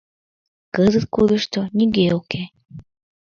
Кызыт кудышто нигӧ уке.